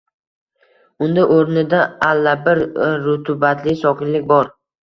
Unda oʻrnida allabir rutubatli sokinlik bor